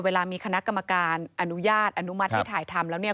เวลามีคณะกรรมการอนุญาตอนุมัติให้ถ่ายทำแล้วเนี่ย